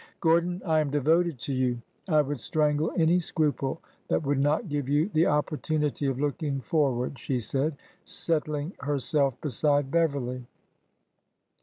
" Gordon, I am devoted to you. I would strangle any scruple that would not give you the opportunity of looking forward," she said, settling herself beside Beverly.